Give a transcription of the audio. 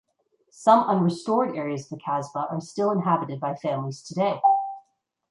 Some unrestored areas of the kasbah are still inhabited by families today.